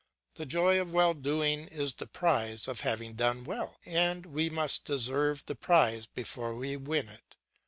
The joy of well doing is the prize of having done well, and we must deserve the prize before we win it.